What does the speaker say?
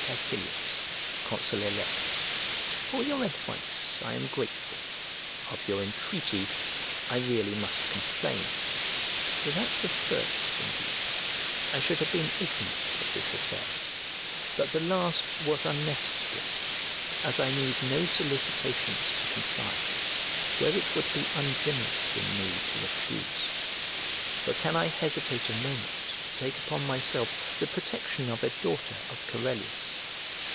Caecilius, consul elect. For your advice I am grateful, of your entreaty I really must complain; without the first, indeed, I should have been ignorant of this affair, but the last was unnecessary, as I need no solicitations to comply, where it would be ungenerous in me to refuse; for can I hesitate a moment to take upon myself the protection of a daughter of Corellius?